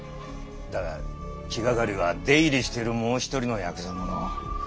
だが気がかりは出入りしているもう一人のやくざ者。